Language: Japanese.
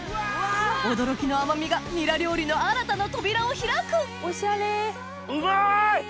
驚きの甘みがニラ料理の新たな扉を開くうまい！